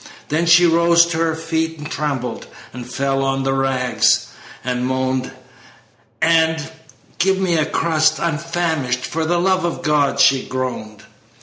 Then she rose to her feet and trembled, And fell on the rags and moaned, And, 'Give me a crust I'm famished For the love of God!' she groaned.